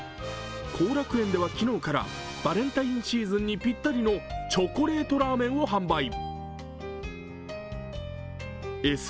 幸楽苑では昨日からバレンタインシーズンにぴったりのチョコレートラーメンを販売。